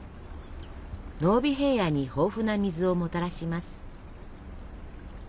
濃尾平野に豊富な水をもたらします。